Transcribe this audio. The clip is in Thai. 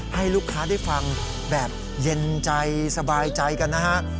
ให้ลูกค้าได้ฟังแบบเย็นใจสบายใจกันนะฮะ